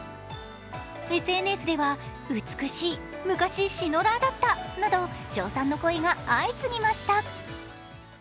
ＳＮＳでは、美しい昔シノラーだったと称賛の声が相次ぎました。